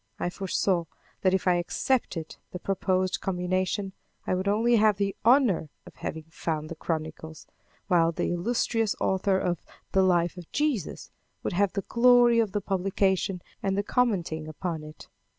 I foresaw that if I accepted the proposed combination, I would only have the honor of having found the chronicles, while the illustrious author of the "Life of Jesus" would have the glory of the publication and the commenting upon it.